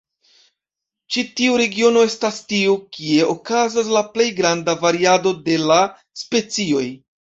Ĉi tiu regiono estas tiu, kie okazas la plej granda variado de la specioj.